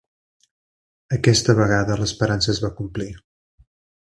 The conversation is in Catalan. Aquesta vegada l'esperança es va complir.